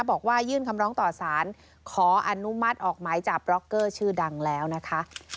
บอกว่ายื่นคำร้องต่อสารขออนุมัติออกหมายจับร็อกเกอร์ชื่อดังแล้วนะคะ